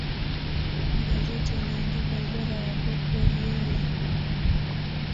magazeti yaliandika ubora wa pep guardiola